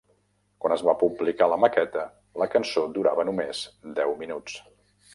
Quan es va publicar la maqueta, la cançó durava només deu minuts.